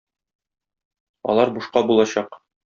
Алар бушка булачак.